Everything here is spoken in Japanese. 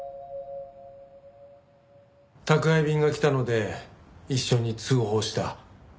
宅配便が来たので一緒に通報した。